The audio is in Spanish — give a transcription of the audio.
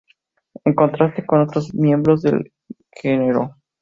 En contraste con otros miembros del Gro.